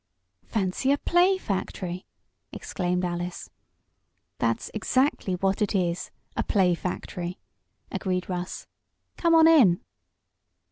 "Fancy a play factory!" exclaimed Alice. "That's exactly what it is a play factory," agreed Russ. "Come on in."